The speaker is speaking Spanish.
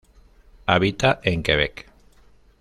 Habita en Quebec.